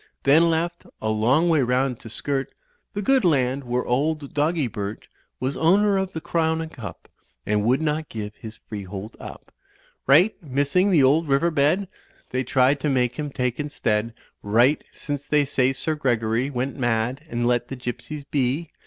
| Then left, a long way round, to skirt ; The good land where old Doggy Burt I Was owner of the Crown and Cup, And would not give his freehold up; Right, missing the old river bed, | They tried to make him take instead Right, since they say Sir Gregory Went mad and let the Gypsies be.